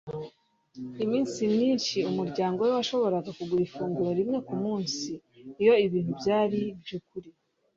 iminsi myinshi umuryango we washoboraga kugura ifunguro rimwe kumunsi. iyo ibintu byari byukuri